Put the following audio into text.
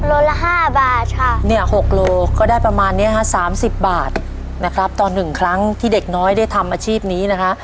โลละ๕บาทค่ะเนี่ย๖โลก็ได้ประมาณนี้ค่ะ๓๐บาทนะครับต่อ๑ครั้งที่เด็กน้อยได้ทำอาชีพนี้นะคะ